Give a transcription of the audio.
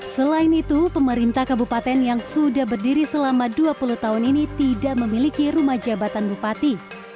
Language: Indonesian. selain itu pemerintah kabupaten yang sudah berdiri selama dua puluh tahun ini tidak memiliki rumah jabatan bupati